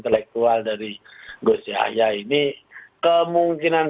seperti agama yahudi atau itunes